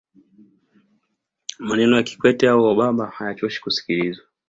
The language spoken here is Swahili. maneno ya kikwete au obama hayachoshi kusikilizwa